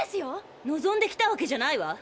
望んで来たわけじゃないわ！